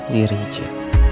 diri aja